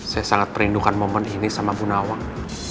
saya sangat perlindungan momen ini sama bunawang